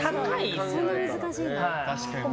そんな難しいんだ。